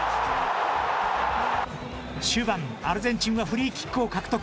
終盤、アルゼンチンはフリーキックを獲得。